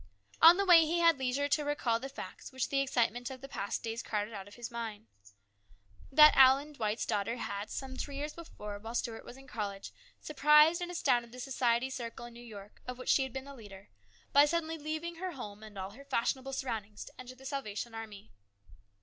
On the way he had leisure to recall the facts which the excitement of the past days crowded out of his mind ; that Allen Dwight's daughter had, some three years before, while Stuart was in college, surprised and astounded the society circle in New York, of which she had been the leader, by suddenly AN EXCITING TIME. 123 leaving her home and all her fashionable surroundings to enter the Salvation Army.